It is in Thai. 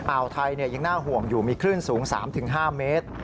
อ่าวไทยยังน่าห่วงอยู่มีคลื่นสูง๓๕เมตร